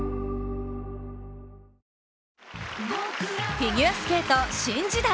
フィギュアスケート、新時代！